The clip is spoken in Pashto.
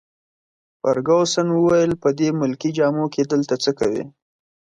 فرګوسن وویل: په دې ملکي جامو کي دلته څه کوي؟